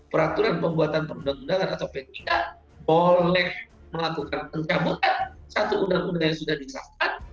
peraturan pembuatan perundang undangan atau p tiga boleh melakukan pencabutan satu undang undang yang sudah disahkan